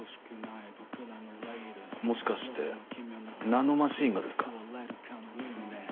もしかしてナノマシンがですか？